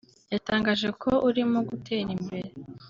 yatangaje ko urimo gutera imbere